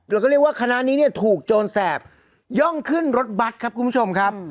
แล้วก็เรียกว่าคณะนี้เนี่ยถูกโจรแสบย่องขึ้นรถบัตรครับคุณผู้ชมครับ